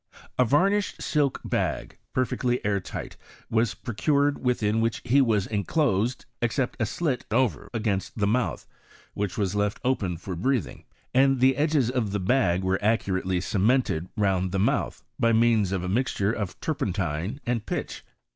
A varnished silk bag, perfectly air tight, was pro cured, within which he was enclosed, except a slit over against the mouth, which was left open foi breathing; and the edges ofthe bag were accurately cemented round the mouth, by means of a mixture of turpentine and pitch.